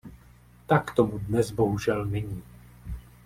Tak tomu dnes bohužel není.